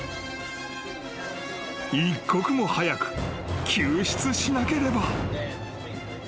［一刻も早く救出しなければ］